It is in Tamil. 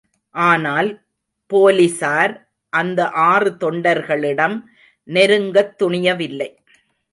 ஆனால் போலிஸார் அந்த ஆறு தொண்டர்களிடம் நெருங்கத்துணியவில்லை.